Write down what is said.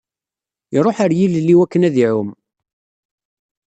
Iruḥ ɣer ilel i waken ad iɛumm.